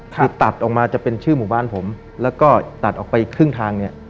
คือตัดออกมาจะเป็นชื่อหมู่บ้านผมแล้วก็ตัดออกไปครึ่งทางเนี่ย